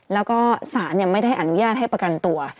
แล้วก็สารไม่ได้อนุญาตให้ประกันตัว